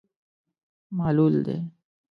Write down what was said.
معلول دی.